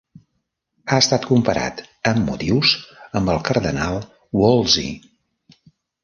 Ha estat comparat, amb motius, amb el Cardenal Wolsey.